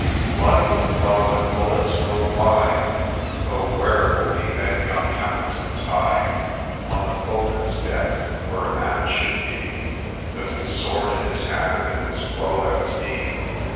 Blood will flow, and bullets will fly, — Oh where will be then young Hamilton Tighe ?'—' On the foeman's deck, where a man should be, With his sword in his hand, and his foe at his knee.